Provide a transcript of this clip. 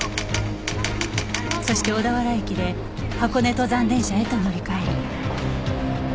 そして小田原駅で箱根登山電車へと乗り換える